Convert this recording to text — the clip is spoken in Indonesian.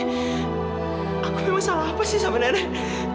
aku memang salah apa sih sama nenek